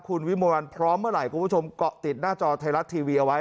คุณวิมวลวันพร้อมเมื่อไหร่คุณผู้ชมเกาะติดหน้าจอไทยรัฐทีวีเอาไว้